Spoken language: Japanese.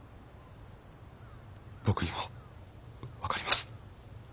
僕にも分かります。